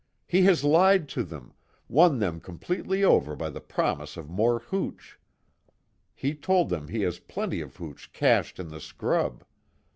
He has lied to them won them completely over by the promise of more hooch. He told them he has plenty of hooch cached in the scrub.